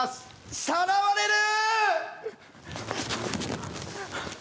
さらわれる！